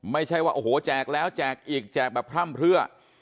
ไม่ใช่ว่าโอ้โหแจกแล้วแจกอีกแจกแบบพร่ำเพื่อ